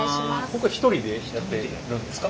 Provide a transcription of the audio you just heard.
ここは１人でやってるんですか？